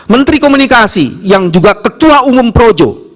menteri komunikasi yang juga ketua umum projo